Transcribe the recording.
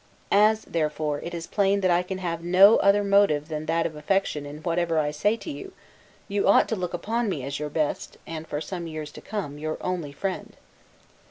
As therefore, it is plain that I can have no other motive than that of affection in whatever I say to you, you ought to look upon me as your best, and, for some years to come, your only friend.